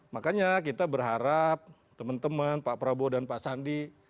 makanya kita berharap teman teman pak prabowo dan pak sandi